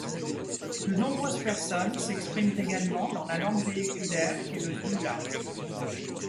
De nombreuses personnes s'expriment également dans la langue véhiculaire qu'est le dioula.